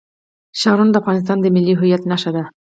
ښارونه د افغانستان د ملي هویت نښه ده.